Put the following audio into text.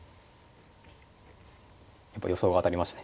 やっぱ予想が当たりましたね。